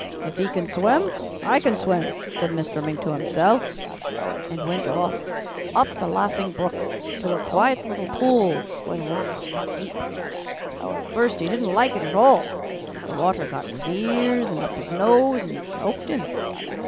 'If he can swim, I can swim,' said Mr. Mink to himself, and went off up the Laughing Brook to a quiet little pool where the water was not deep. "At first he didn't like it at all. The water got in his ears and up his nose and choked him.